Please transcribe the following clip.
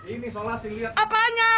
ini isolasi lihat